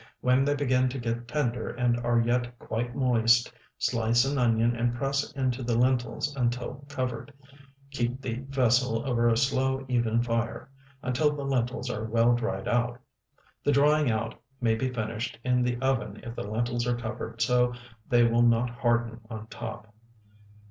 When they begin to get tender and are yet quite moist, slice an onion and press into the lentils until covered; keep the vessel over a slow, even fire, until the lentils are well dried out. The drying out may be finished in the oven if the lentils are covered so that they will not harden on top.